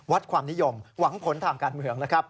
วัดความนิยมหวังผลทางการเมือง